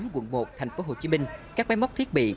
quận một thành phố hồ chí minh các máy móc thiết bị